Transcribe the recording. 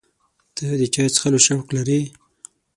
ته د چای څښلو شوق لرې؟